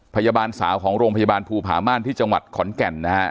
พยาบาลสาวของโรงพยาบาลภูผาม่านที่จังหวัดขอนแก่นนะฮะ